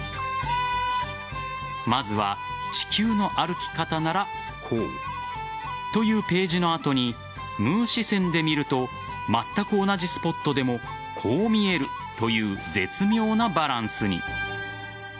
まずは「地球の歩き方」ならこうというページの後に「ムー」視線で見るとまったく同じスポットでもこう見えるという絶妙なバランスに。